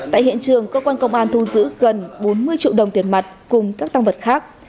tại hiện trường cơ quan công an thu giữ gần bốn mươi triệu đồng tiền mặt cùng các tăng vật khác